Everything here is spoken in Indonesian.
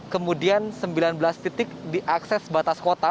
kemudian sembilan belas titik di akses batas kota